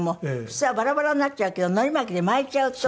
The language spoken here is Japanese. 普通はバラバラになっちゃうけど海苔巻きで巻いちゃうと。